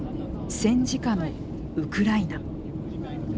戦時下のウクライナ。